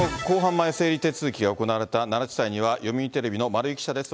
前整理手続きが行われた奈良地裁には、読売テレビの丸井記者です。